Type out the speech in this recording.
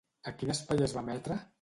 A quin espai es va emetre?